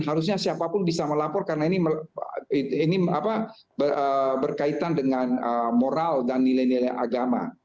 harusnya siapapun bisa melapor karena ini berkaitan dengan moral dan nilai nilai agama